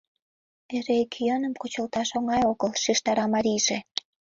— Эре ик йӧным кучылташ оҥай огыл, — шижтара марийже.